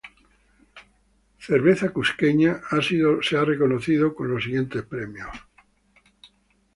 Cerveza Cusqueña ha sido reconocida con los siguientes premios.